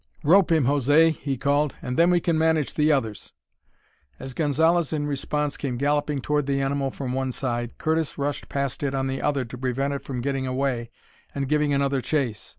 "Rope him, José," he called, "and then we can manage the others." As Gonzalez in response came galloping toward the animal from one side, Curtis rushed past it on the other to prevent it from getting away and giving another chase.